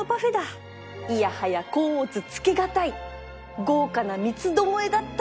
いやはや甲乙つけがたい豪華な三つどもえだった